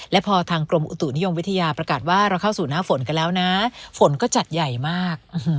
และพอทางกรมอุตุนิยมวิทยาประกาศว่าเราเข้าสู่หน้าฝนกันแล้วนะฝนก็จัดใหญ่มาก